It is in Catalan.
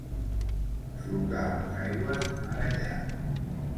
Solcar les aigües mar enllà.